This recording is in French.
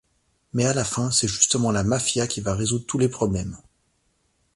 Mais à la fin c'est justement la mafia qui va résoudre tous les problèmes…